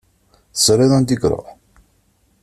Teẓriḍ anda iruḥ?